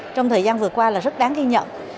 trong thời gian vừa qua là rất đáng ghi nhận